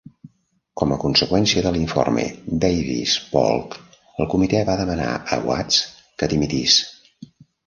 Com a conseqüència de l'Informe Davis Polk, el comitè va demanar a Watts que dimitís.